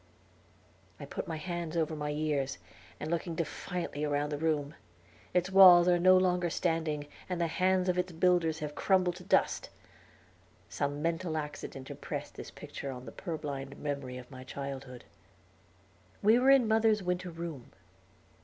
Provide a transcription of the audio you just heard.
I put my hands over my ears, and looked defiantly round the room. Its walls are no longer standing, and the hands of its builders have crumbled to dust. Some mental accident impressed this picture on the purblind memory of childhood. We were in mother's winter room.